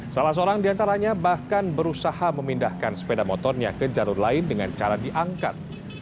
salah seorang diantaranya bahkan berusaha memindahkan sepeda motornya ke jalur lain dengan cara diangkat